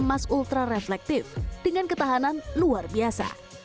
emas ultra reflektif dengan ketahanan luar biasa